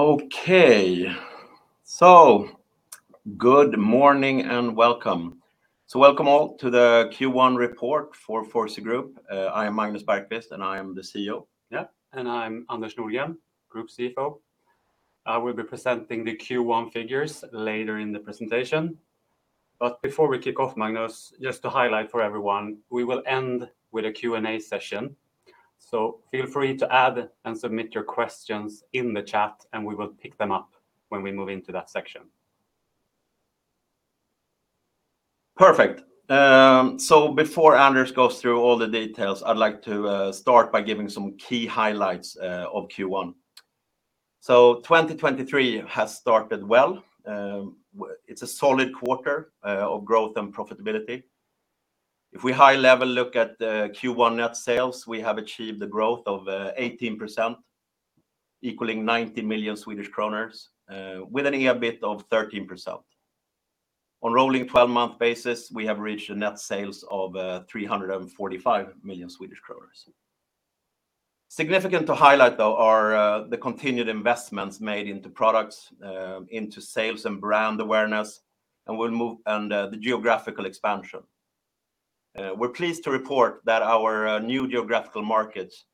Okay. Good morning and welcome. Welcome all to the Q1 report for 4C Group. I am Magnus Bergquist, and I am the CEO. Yeah. I'm Anders Nordgren, Group CFO. I will be presenting the Q1 figures later in the presentation. Before we kick off, Magnus, just to highlight for everyone, we will end with a Q&A session, so feel free to add and submit your questions in the chat, and we will pick them up when we move into that section. Perfect. Before Anders goes through all the details, I'd like to start by giving some key highlights of Q1. 2023 has started well. It's a solid quarter of growth and profitability. If we high-level look at the Q1 net sales, we have achieved the growth of 18%, equaling 90 million Swedish kronor, with an EBIT of 13%. On rolling twelve-month basis, we have reached the net sales of 345 million Swedish kronor. Significant to highlight though are the continued investments made into products, into sales and brand awareness and the geographical expansion. We're pleased to report that our new geographical markets,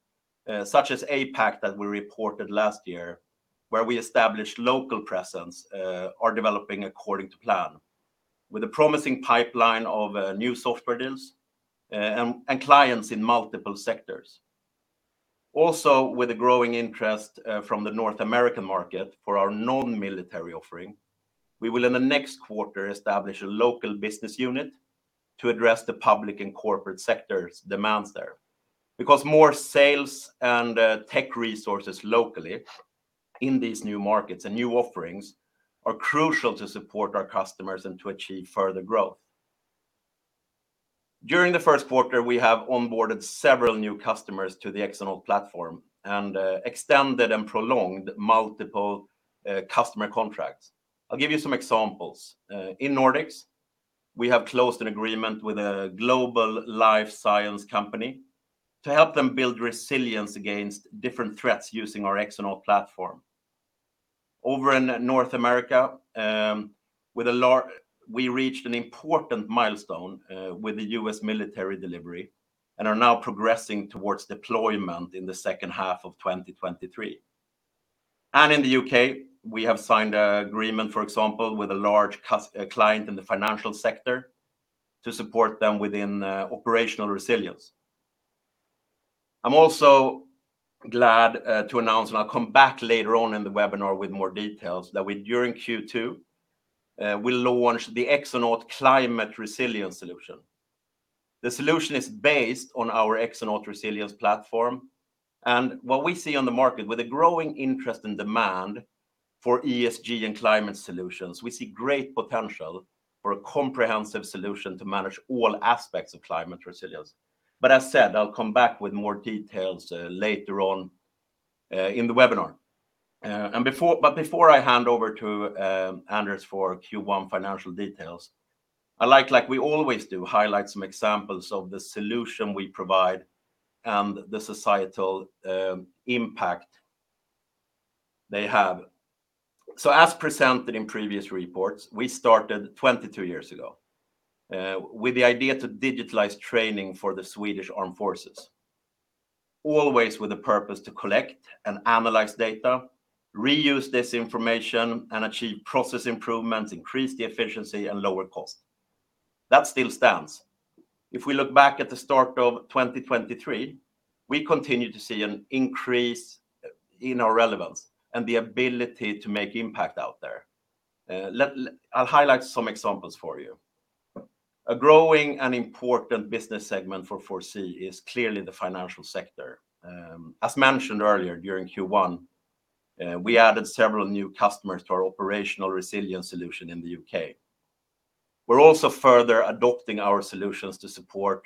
such as APAC that we reported last year, where we established local presence, are developing according to plan, with a promising pipeline of new software deals, and clients in multiple sectors. With the growing interest from the North American market for our non-military offering, we will in the next quarter establish a local business unit to address the public and corporate sectors' demands there. More sales and tech resources locally in these new markets and new offerings are crucial to support our customers and to achieve further growth. During the first quarter, we have onboarded several new customers to the Exonaut platform and extended and prolonged multiple customer contracts. I'll give you some examples. In Nordics, we have closed an agreement with a global life science company to help them build resilience against different threats using our Exonaut platform. Over in North America, we reached an important milestone with the US military delivery and are now progressing towards deployment in the second half of 2023. In the U.K., we have signed an agreement, for example, with a large client in the financial sector to support them within operational resilience. I'm also glad to announce, I'll come back later on in the webinar with more details, that during Q2, we'll launch the Exonaut Climate Resilience Solution. The solution is based on our Exonaut Resilience Platform, and what we see on the market, with the growing interest and demand for ESG and climate solutions, we see great potential for a comprehensive solution to manage all aspects of climate resilience. As said, I'll come back with more details later on in the webinar. Before I hand over to Anders for Q1 financial details, I like we always do, highlight some examples of the solution we provide and the societal impact they have. As presented in previous reports, we started 22 years ago with the idea to digitalize training for the Swedish Armed Forces, always with the purpose to collect and analyze data, reuse this information, and achieve process improvements, increase the efficiency, and lower cost. That still stands. If we look back at the start of 2023, we continue to see an increase in our relevance and the ability to make impact out there. I'll highlight some examples for you. A growing and important business segment for 4C is clearly the financial sector. As mentioned earlier, during Q1, we added several new customers to our operational resilience solution in the U.K. We're also further adopting our solutions to support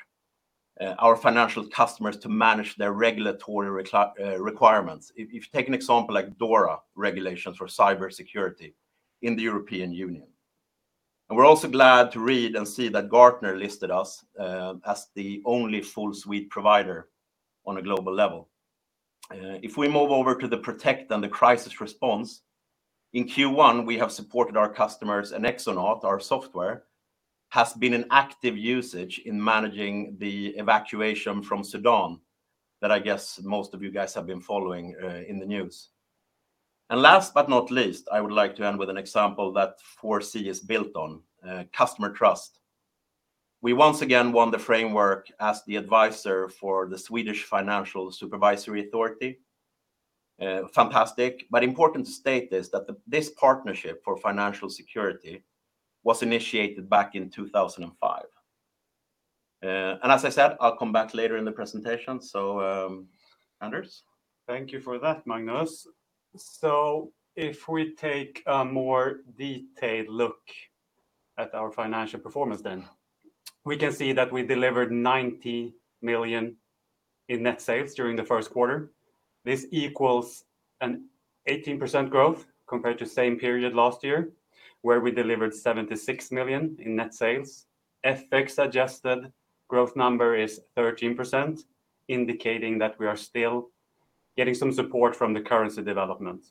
our financial customers to manage their regulatory requirements. If you take an example like DORA regulations for cybersecurity in the European Union. We're also glad to read and see that Gartner listed us as the only full suite provider on a global leve. If we move over to the protect and the crisis response, in Q1, we have supported our customers, and Exonaut, our software, has been in active usage in managing the evacuation from Sudan that I guess most of you guys have been following in the news. Last but not least, I would like to end with an example that 4C is built on customer trust. We once again won the framework as the advisor for the Swedish Financial Supervisory Authority. Fantastic, but important to state is that this partnership for financial security was initiated back in 2005. As I said, I'll come back later in the presentation. Anders? Thank you for that, Magnus. If we take a more detailed look at our financial performance then, we can see that we delivered 90 million in net sales during the first quarter. This equals an 18% growth compared to same period last year, where we delivered 76 million in net sales. FX adjusted growth number is 13%, indicating that we are still getting some support from the currency development.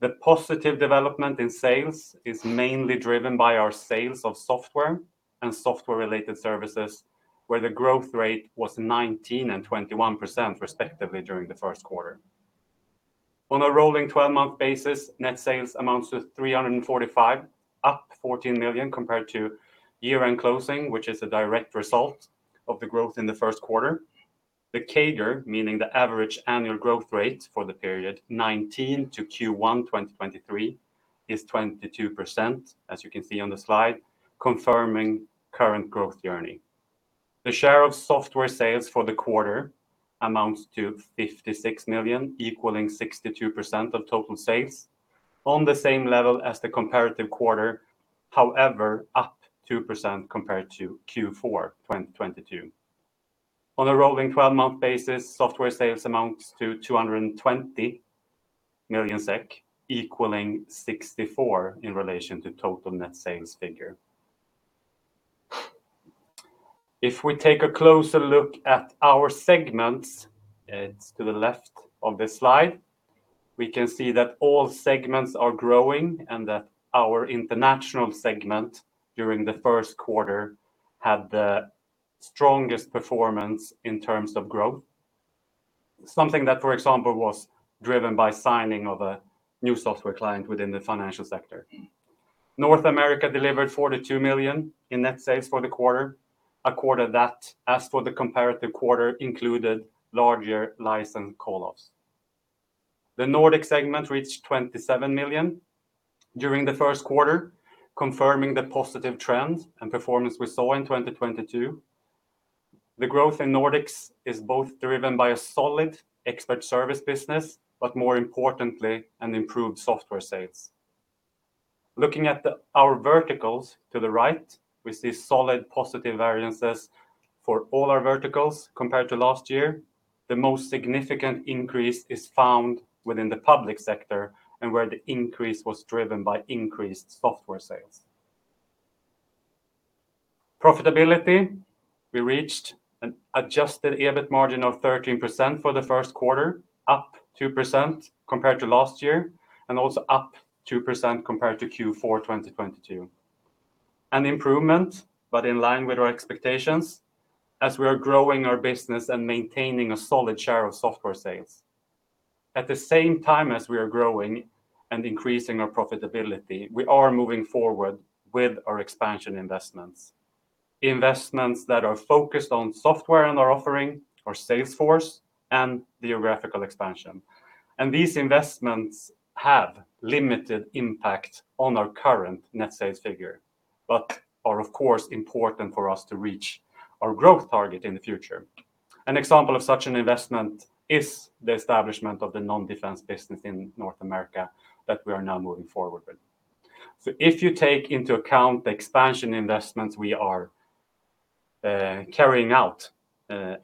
The positive development in sales is mainly driven by our sales of software and software-related services, where the growth rate was 19% and 21% respectively during the first quarter. On a rolling twelve-month basis, net sales amounts to 345 million, up 14 million compared to year-end closing, which is a direct result of the growth in the first quarter. The CAGR, meaning the average annual growth rate for the period 19 to Q1, 2023, is 22%, as you can see on the slide, confirming current growth journey. The share of software sales for the quarter amounts to 56 million, equaling 62% of total sales on the same level as the comparative quarter. Up 2% compared to Q4, 2022. On a rolling twelve-month basis, software sales amounts to 220 million SEK, equaling 64% in relation to total net sales figure. If we take a closer look at our segments, it's to the left of this slide, we can see that all segments are growing and that our international segment during the first quarter had the strongest performance in terms of growth. Something that, for example, was driven by signing of a new software client within the financial sector. North America delivered 42 million in net sales for the quarter, a quarter that, as for the comparative quarter, included larger license call-ups. The Nordic segment reached 27 million during the first quarter, confirming the positive trend and performance we saw in 2022. The growth in Nordics is both driven by a solid expert service business, but more importantly, an improved software sales. Looking at our verticals to the right, we see solid positive variances for all our verticals compared to last year. The most significant increase is found within the public sector and where the increase was driven by increased software sales. Profitability, we reached an adjusted EBIT margin of 13% for the first quarter, up 2% compared to last year, and also up 2% compared to Q4, 2022. An improvement, in line with our expectations as we are growing our business and maintaining a solid share of software sales. At the same time as we are growing and increasing our profitability, we are moving forward with our expansion investments. Investments that are focused on software and our offering, our sales force, and geographical expansion. These investments have limited impact on our current net sales figure, but are, of course, important for us to reach our growth target in the future. An example of such an investment is the establishment of the non-defense business in North America that we are now moving forward with. If you take into account the expansion investments we are carrying out,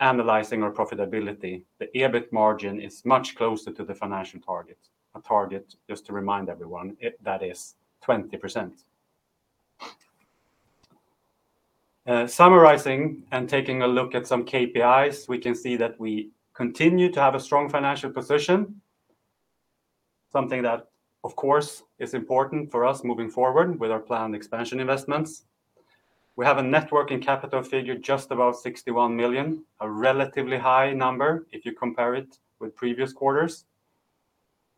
analyzing our profitability, the EBIT margin is much closer to the financial target. A target, just to remind everyone, that is 20%. Summarizing and taking a look at some KPIs, we can see that we continue to have a strong financial position, something that, of course, is important for us moving forward with our planned expansion investments. We have a net working capital figure just about 61 million, a relatively high number if you compare it with previous quarters.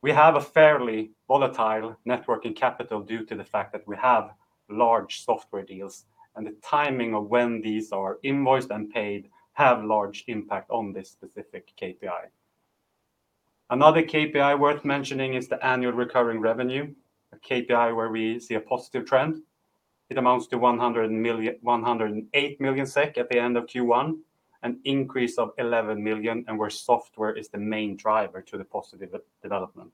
We have a fairly volatile net working capital due to the fact that we have large software deals, and the timing of when these are invoiced and paid have large impact on this specific KPI. Another KPI worth mentioning is the annual recurring revenue, a KPI where we see a positive trend. It amounts to 108 million SEK at the end of Q1, an increase of 11 million, and where software is the main driver to the positive development.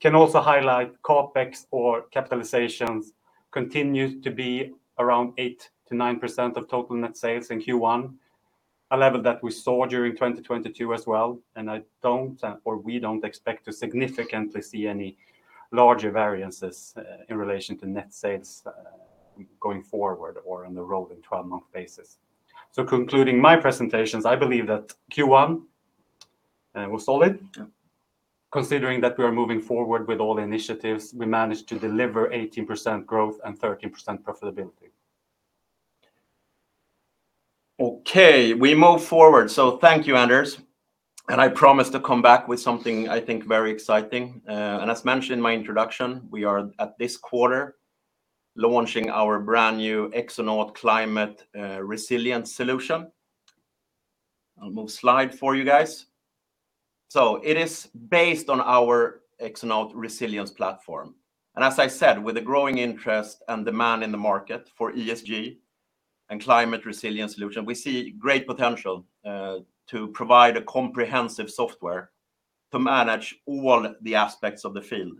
Can also highlight CapEx or capitalizations continues to be around 8%-9% of total net sales in Q1, a level that we saw during 2022 as well. I don't, or we don't expect to significantly see any larger variances in relation to net sales going forward or on the rolling twelve-month basis. Concluding my presentations, I believe that Q1 was solid. Yeah. Considering that we are moving forward with all the initiatives, we managed to deliver 18% growth and 13% profitability. Okay, we move forward. Thank you, Anders. I promise to come back with something I think very exciting. As mentioned in my introduction, we are at this quarter launching our brand new Exonaut Climate Resilience solution. I'll move slide for you guys. It is based on our Exonaut Resilience platform. As I said, with a growing interest and demand in the market for ESG and climate resilience solution, we see great potential to provide a comprehensive software to manage all the aspects of the field.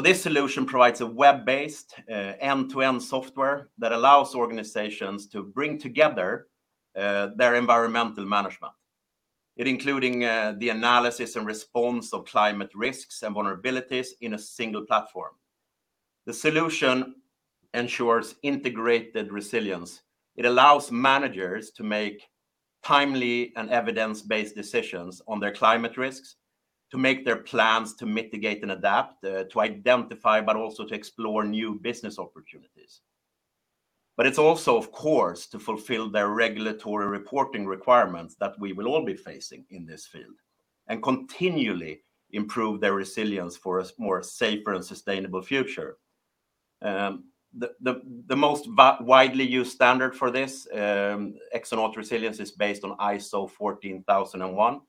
This solution provides a web-based, end-to-end software that allows organizations to bring together their environmental management. It including the analysis and response of climate risks and vulnerabilities in a single platform. The solution ensures integrated resilience. It allows managers to make timely and evidence-based decisions on their climate risks, to make their plans to mitigate and adapt, to identify, but also to explore new business opportunities. It's also, of course, to fulfill their regulatory reporting requirements that we will all be facing in this field and continually improve their resilience for a more safer and sustainable future. The most widely used standard for this, Exonaut Resilience is based on ISO 14001.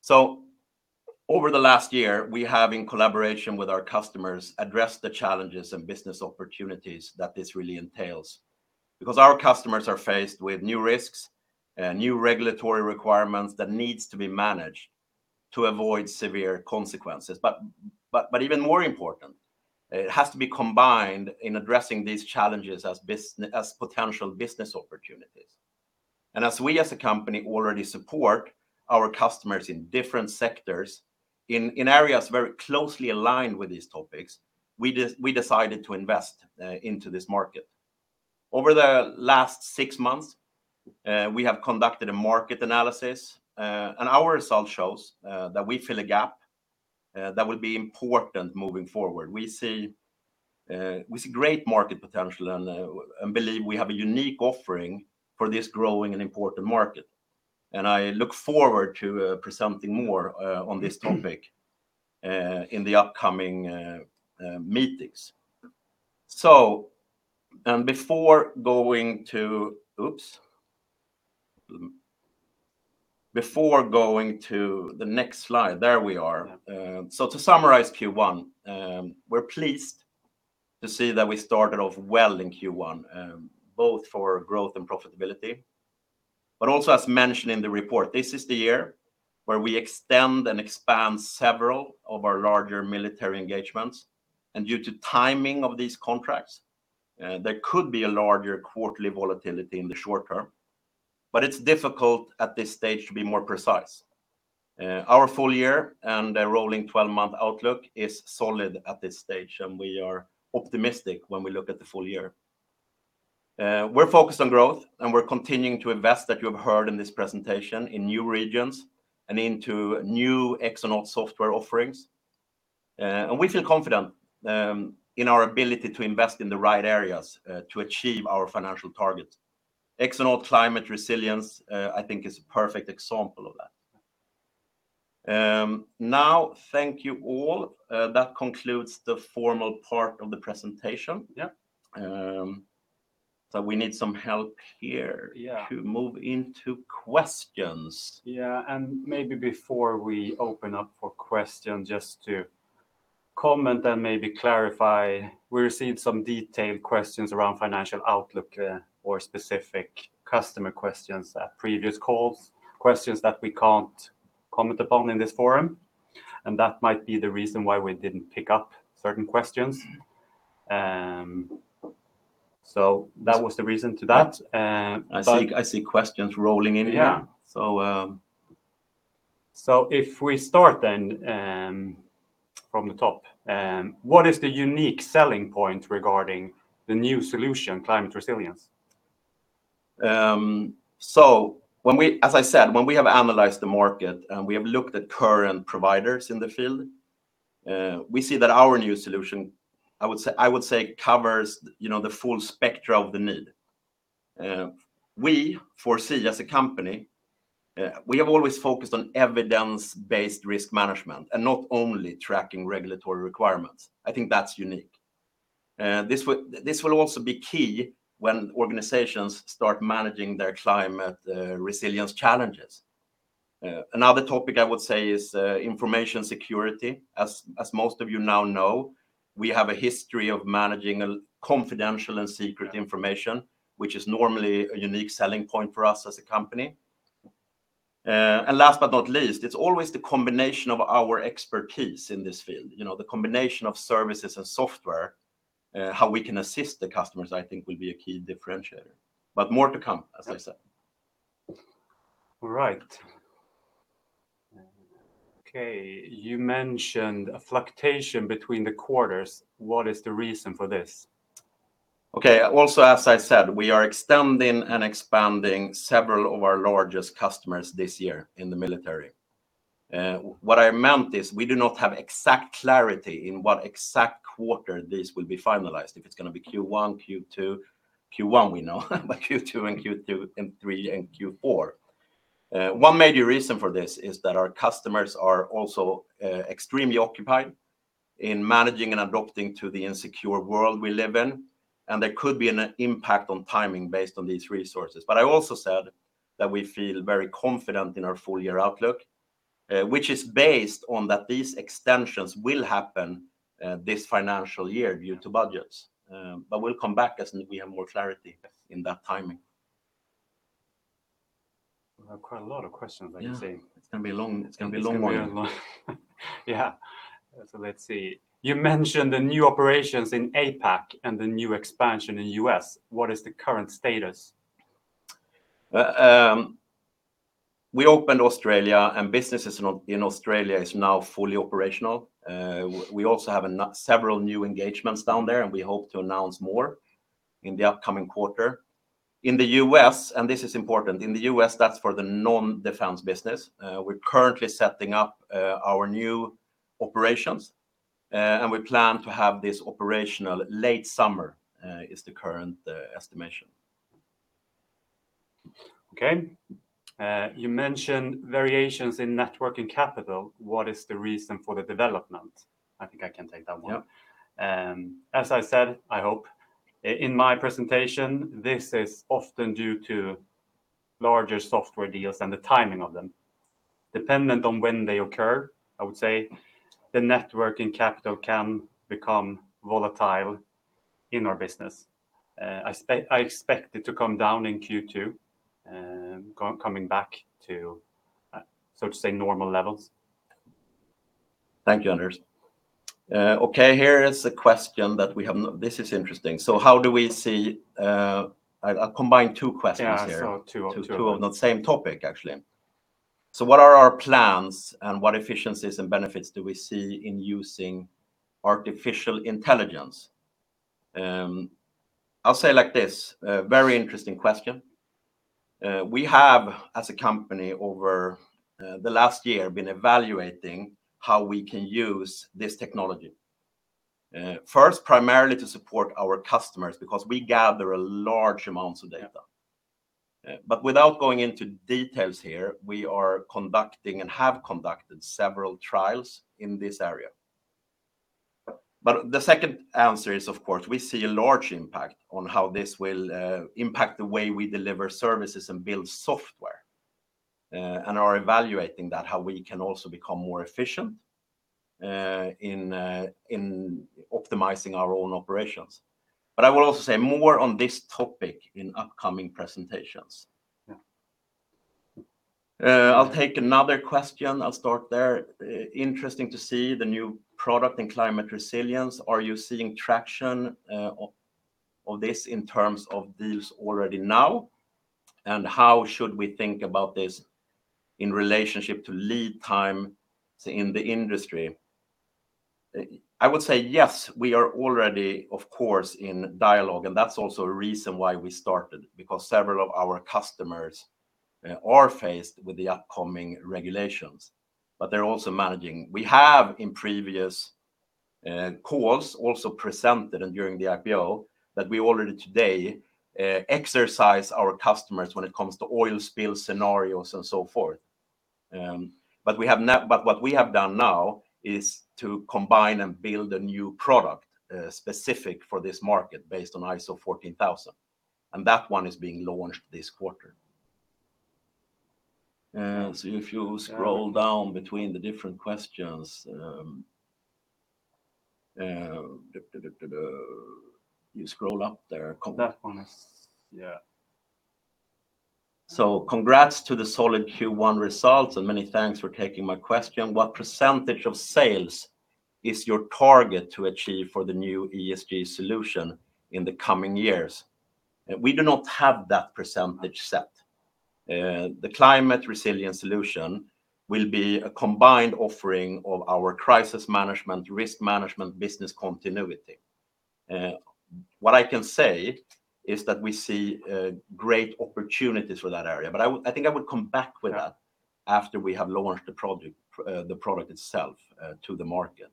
So over the last year, we have, in collaboration with our customers, addressed the challenges and business opportunities that this really entails. Our customers are faced with new risks and new regulatory requirements that needs to be managed to avoid severe consequences. Even more important, it has to be combined in addressing these challenges as potential business opportunities. As we, as a company, already support our customers in different sectors in areas very closely aligned with these topics, we decided to invest into this market. Over the last six months, we have conducted a market analysis, and our result shows that we fill a gap that will be important moving forward. We see great market potential and believe we have a unique offering for this growing and important market, and I look forward to presenting more on this topic in the upcoming meetings. Oops. Before going to the next slide. There we are. Yeah. To summarize Q1, we're pleased to see that we started off well in Q1, both for growth and profitability. Also as mentioned in the report, this is the year where we extend and expand several of our larger military engagements, and due to timing of these contracts, there could be a larger quarterly volatility in the short term. It's difficult at this stage to be more precise. Our full year and the rolling 12-month outlook is solid at this stage, and we are optimistic when we look at the full year. We're focused on growth, and we're continuing to invest, that you have heard in this presentation, in new regions and into new Exonaut software offerings. We feel confident, in our ability to invest in the right areas, to achieve our financial targets. Exonaut Climate Resilience, I think is a perfect example of that. Now thank you all. That concludes the formal part of the presentation. Yeah. We need some help here. Yeah to move into questions. Maybe before we open up for questions, just to comment and maybe clarify, we're seeing some detailed questions around financial outlook, or specific customer questions at previous calls, questions that we can't comment upon in this forum, and that might be the reason why we didn't pick up certain questions. That was the reason to that. I see, I see questions rolling in here. Yeah. So, um... If we start then, from the top, what is the unique selling point regarding the new solution, Climate Resilience? When we-- As I said, when we have analyzed the market and we have looked at current providers in the field, we see that our new solution, I would say, covers, you know, the full spectra of the need. We foresee, as a company, we have always focused on evidence-based risk management and not only tracking regulatory requirements. I think that's unique. This will also be key when organizations start managing their climate resilience challenges. Another topic I would say is information security. As most of you now know, we have a history of managing confidential and secret information, which is normally a unique selling point for us as a company. Last but not least, it's always the combination of our expertise in this field. You know, the combination of services and software, how we can assist the customers, I think will be a key differentiator. More to come, as I said. All right. Okay. You mentioned a fluctuation between the quarters. What is the reason for this? Okay. As I said, we are extending and expanding several of our largest customers this year in the military. What I meant is we do not have exact clarity in what exact quarter this will be finalized, if it's gonna be Q1, Q2. Q1 we know, but Q2 and 3 and Q4. One major reason for this is that our customers are also extremely occupied in managing and adapting to the insecure world we live in, and there could be an impact on timing based on these resources. I also said that we feel very confident in our full-year outlook, which is based on that these extensions will happen this financial year due to budgets. We'll come back as we have more clarity in that timing. We have quite a lot of questions, I can say. Yeah. It's gonna be a long one. It's gonna be a long one. Yeah. Let's see. You mentioned the new operations in APAC and the new expansion in U.S. What is the current status? We opened Australia. Businesses in Australia is now fully operational. We also have several new engagements down there. We hope to announce more in the upcoming quarter. In the U.S., this is important, in the U.S., that's for the non-defense business, we're currently setting up our new operations, and we plan to have this operational late summer is the current estimation. Okay. You mentioned variations in net working capital. What is the reason for the development? I think I can take that one. Yeah. As I said, I hope, in my presentation, this is often due to larger software deals and the timing of them. Dependent on when they occur, I would say the net working capital can become volatile in our business. I expect it to come down in Q2, coming back to, so to say, normal levels. Thank you, Anders. Okay, here is a question that we have not... This is interesting. How do we see... I'll combine two questions here. Yeah, I saw. Two of the same topic, actually. What are our plans, and what efficiencies and benefits do we see in using artificial intelligence? I'll say it like this, a very interesting question. We have, as a company, over the last year, been evaluating how we can use this technology. First, primarily to support our customers because we gather large amounts of data. Without going into details here, we are conducting and have conducted several trials in this area. The second answer is, of course, we see a large impact on how this will impact the way we deliver services and build software, and are evaluating that, how we can also become more efficient in optimizing our own operations. I will also say more on this topic in upcoming presentations. Yeah. I'll take another question. I'll start there. Interesting to see the new product and climate resilience. Are you seeing traction of this in terms of deals already now? How should we think about this in relationship to lead time, say, in the industry? I would say yes. We are already, of course, in dialogue, and that's also a reason why we started, because several of our customers are faced with the upcoming regulations, but they're also managing. We have, in previous calls, also presented and during the IPO that we already today exercise our customers when it comes to oil spill scenarios and so forth. What we have done now is to combine and build a new product specific for this market based on ISO 14000, and that one is being launched this quarter. If you scroll down between the different questions, you scroll up there. That one is... Yeah. Congrats to the solid Q1 results, and many thanks for taking my question. What % of sales is your target to achieve for the new ESG solution in the coming years? We do not have that % set. The climate resilience solution will be a combined offering of our crisis management, risk management, business continuity. What I can say is that we see great opportunities for that area, I think I would come back with that after we have launched the product itself to the market.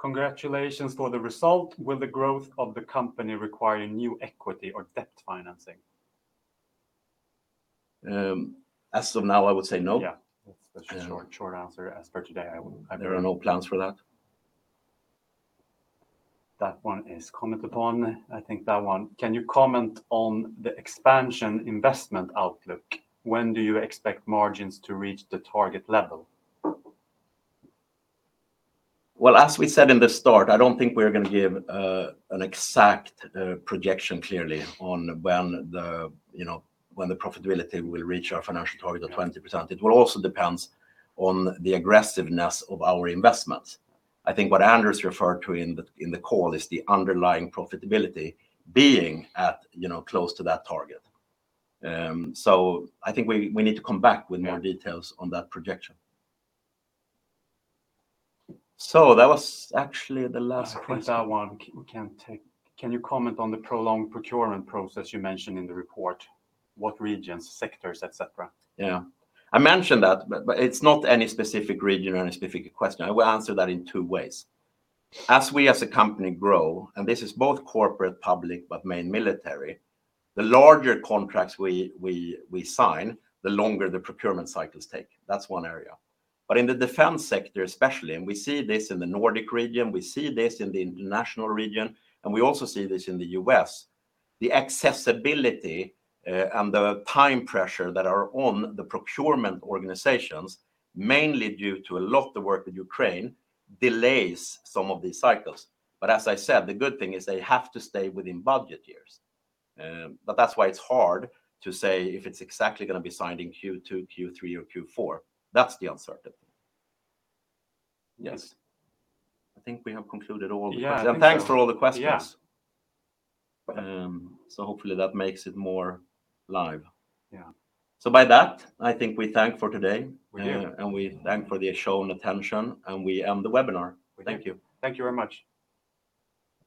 Congratulations for the result. Will the growth of the company require new equity or debt financing? As of now, I would say no. Yeah. That's the short answer. As for today, I There are no plans for that. That one is commented on. I think that one. Can you comment on the expansion investment outlook? When do you expect margins to reach the target level? Well, as we said in the start, I don't think we're gonna give an exact projection clearly on when the, you know, when the profitability will reach our financial target of 20%. It will also depends on the aggressiveness of our investments. I think what Anders referred to in the, in the call is the underlying profitability being at, you know, close to that target. I think we need to come back with more details on that projection. That was actually the last question. I have that one we can take. Can you comment on the prolonged procurement process you mentioned in the report? What regions, sectors, et cetera? Yeah. I mentioned that, but it's not any specific region or any specific question. I will answer that in two ways. As we as a company grow, this is both corporate, public, but main military, the larger contracts we sign, the longer the procurement cycles take. That's one area. In the defense sector, especially, and we see this in the Nordic region, we see this in the international region, and we also see this in the U.S., the accessibility and the time pressure that are on the procurement organizations, mainly due to a lot of the work with Ukraine, delays some of these cycles. As I said, the good thing is they have to stay within budget years. That's why it's hard to say if it's exactly gonna be signed in Q2, Q3, or Q4. That's the uncertainty. Yes. I think we have concluded all the questions. Yeah, I think so. Thanks for all the questions. Yeah. Hopefully that makes it more live. Yeah. By that, I think we thank for today. We do. We thank for the shown attention, and we end the webinar. Thank you. Thank you very much.